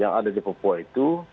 yang ada di papua itu